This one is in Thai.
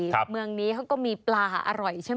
เมืองนี้เขาก็มีปลาอร่อยใช่ไหม